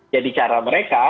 jadi cara mereka